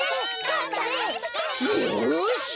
よし。